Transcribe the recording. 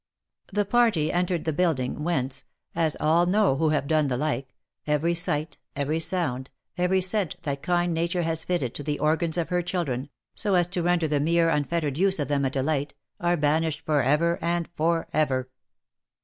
The party entered the building, whence — as all know who have done the like — every sight, every sound, every scent that kind nature has fitted to the organs of her children, so as to render the 80 THE LIFE AND ADVENTURES mere unfettered use of them a delight, are banished for ever and for ever.